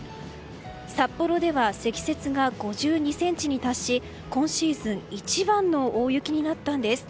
札幌では積雪が５２ｃｍに達し今シーズン一番の大雪になったんです。